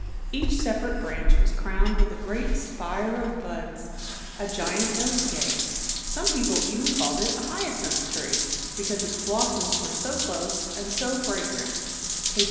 Each separate branch was crowned with a great spire of buds, a giant nose gay. Some people even called it a " hyacinth tree " because its blossoms were so close and so fragrant (Page 41).